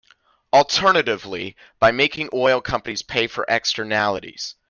Alternatively, by making oil companies pay for externalities.